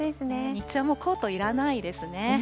日中はもうコートいらないですね。